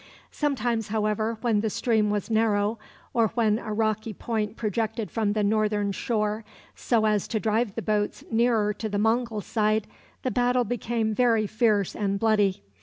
Sometimes, however, when the stream was narrow, or when a rocky point projected from the northern shore, so as to drive the boats nearer to the Mongul side, the battle became very fierce and bloody.